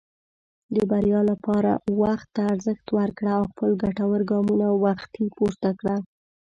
د بریا لپاره وخت ته ارزښت ورکړه، او خپل ګټور ګامونه وختي پورته کړه.